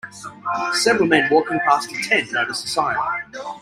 Several men walking past a tent notice a sign.